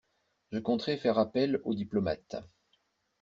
Je compterai faire appel aux diplomates.